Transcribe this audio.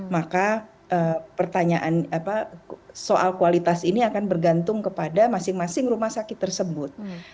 maka pertanyaan soal kualitas ini akan bergantung kepada masing masing rumah sakit tersebut